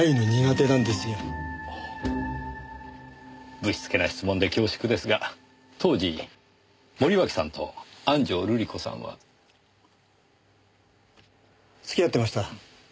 ぶしつけな質問で恐縮ですが当時森脇さんと安城瑠里子さんは。付き合ってました。